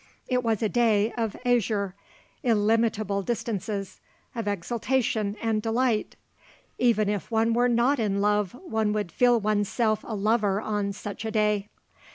It was a day of azure, illimitable distances; of exultation and delight. Even if one were not in love one would feel oneself a lover on such a day.